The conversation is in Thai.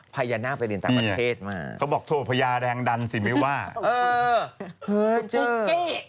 พญานาคเป็นเราไม่เจอ